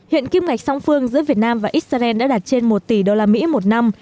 hiện kim ngạch song phương giữa việt nam và israel đã đạt trên một tỷ usd một năm